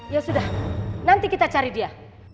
ya sudah nanti kita cari dia